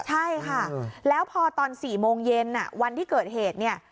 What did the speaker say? ใช่ค่ะแล้วพอตอน๔โมงเย็นวันที่เกิดเหตุเนี่ย